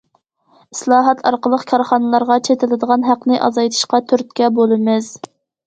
ئىسلاھات ئارقىلىق كارخانىلارغا چېتىلىدىغان ھەقنى ئازايتىشقا تۈرتكە بولىمىز.